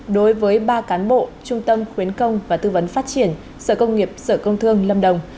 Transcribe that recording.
đối với ba cán bộ trung tâm khuyến công và tư vấn phát triển sở công nghiệp sở công thương lâm đồng